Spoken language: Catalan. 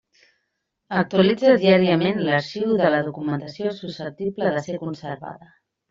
Actualitza diàriament l'arxiu de la documentació susceptible de ser conservada.